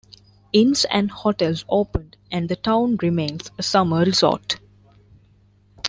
Inns and hotels opened, and the town remains a summer resort.